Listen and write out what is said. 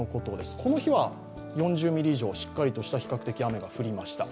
この日は、４０ミリ以上、比較的しっかりした雨が降りました。